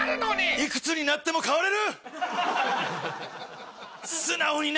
いくつになっても変われる。